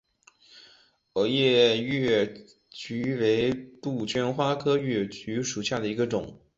耳叶越桔为杜鹃花科越桔属下的一个种。